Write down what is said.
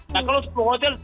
nah kalau sepuluh hotel